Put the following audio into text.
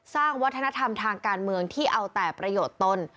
สร้างวัฒนธรรมทางการเมืองที่เอาแต่ประโยชน์ตน